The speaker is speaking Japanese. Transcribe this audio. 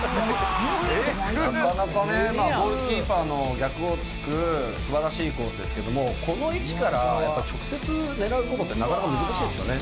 「なかなかねゴールキーパーの逆を突く素晴らしいコースですけどもこの位置からやっぱり直接狙う事ってなかなか難しいんですよね」